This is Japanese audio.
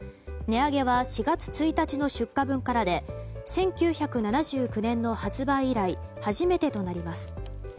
値上げは４月１日の出荷分からで１９７９年の発売以来初めてとなります。